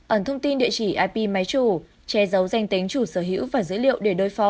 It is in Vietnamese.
ẩn thông tin địa chỉ ip máy chủ che giấu danh tính chủ sở hữu và dữ liệu để đối phó